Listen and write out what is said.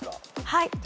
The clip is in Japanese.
はい。